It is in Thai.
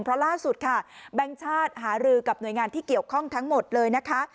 เพราะล่าสุดค่ะแบงค์ชาติหารือกับหน่วยงานที่เกี่ยวข้องทั้งหมดเลยนะคะ